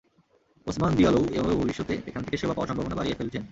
ওসমান দিয়ালোও এভাবে ভবিষ্যতে এখান থেকে সেবা পাওয়ার সম্ভাবনা বাড়িয়ে ফেলছেন।